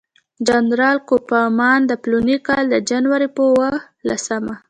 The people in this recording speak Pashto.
جنرال کوفمان د فلاني کال د جنوري پر اووه لسمه.